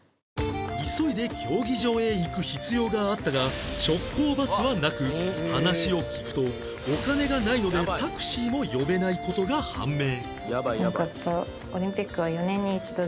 急いで競技場へ行く必要があったが直行バスはなく話を聞くとお金がないのでタクシーも呼べない事が判明